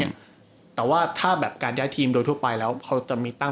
แต่ว่าถ้าแบบการย้ายทีมโดยทั่วไปแล้วเขาจะมีตั้ง